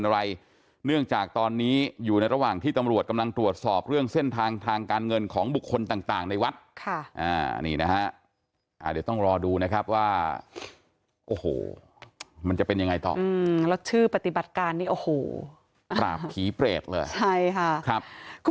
ว่าโอ้โหมันจะเป็นยังไงต่อแล้วชื่อปฏิบัติการเนี่ยโอ้โหตราบผีเปรตเลยใช่ค่ะครับ